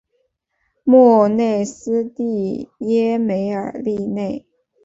莫内斯蒂耶梅尔利内。